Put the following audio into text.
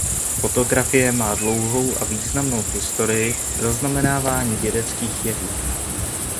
Fotografie má dlouhou a významnou historii zaznamenávání vědeckých jevů.